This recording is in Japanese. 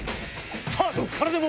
さぁどこからでも。